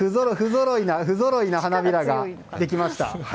不ぞろいな花びらができました。